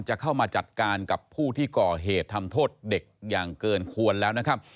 จะเข้ามาจัดการกับผู้ที่ก่อเหตุทำโทษเด็กอย่างเกินควรแล้วนะครับ